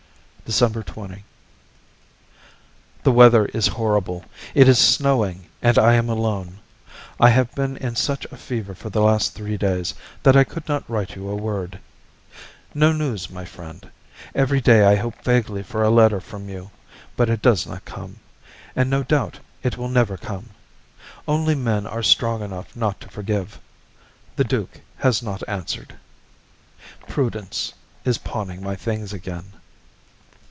December 20. The weather is horrible; it is snowing, and I am alone. I have been in such a fever for the last three days that I could not write you a word. No news, my friend; every day I hope vaguely for a letter from you, but it does not come, and no doubt it will never come. Only men are strong enough not to forgive. The duke has not answered. Prudence is pawning my things again.